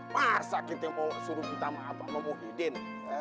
masa kita mau suruh minta maaf sama mungu hidin